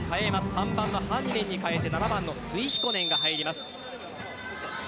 ３番のハンニネンに代えてスイヒコネンが入ります。